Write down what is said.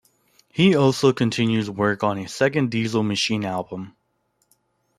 He also continues work on a second Diesel Machine album.